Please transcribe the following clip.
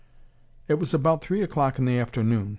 It was about three o'clock in the afternoon.